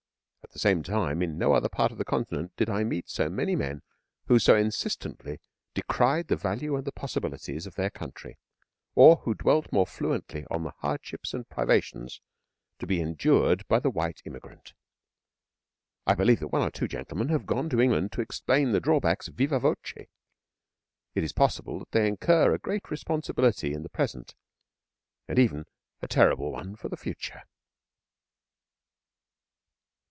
At the same time, in no other part of the Continent did I meet so many men who insistently decried the value and possibilities of their country, or who dwelt more fluently on the hardships and privations to be endured by the white immigrant. I believe that one or two gentlemen have gone to England to explain the drawbacks viva voce. It is possible that they incur a great responsibility in the present, and even a terrible one for the future.